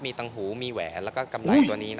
มีต่างหูมีแหวนแล้วก็กำไรก็ละครับ